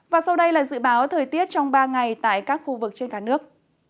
và sau đây là dự báo thời tiết trong ba ngày tại các khu vực trên cả nước